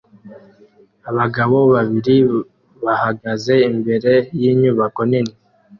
abagabo babiri bahagaze imbere yinyubako nini